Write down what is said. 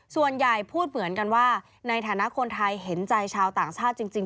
ส่วนใหญ่พูดเหมือนกันว่าในฐานะคนไทยเห็นใจชาวต่างชาติจริง